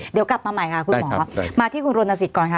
เดี๋ยวกลับมาใหม่ค่ะคุณหมอมาที่คุณรณสิทธิก่อนค่ะ